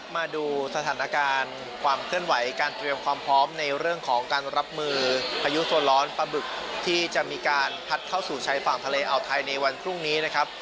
มาดูสถานการณ์ความเคลื่อนไหวการเตรียมความพร้อมในเรื่องของการรับมือพายุโซนร้อนปลาบึกที่จะมีการพัดเข้าสู่ชายฝั่งทะเลอาวไทยในวันพรุ่งนี้นะครับ